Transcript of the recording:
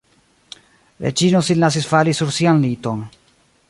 Reĝino sin lasis fali sur sian liton.